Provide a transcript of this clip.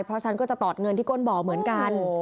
เพราะฉันก็จะตอดเงินที่ก้นบ่อเหมือนกัน